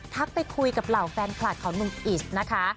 ไปคุยกับเหล่าแฟนคลับของหนุ่มอิสนะคะ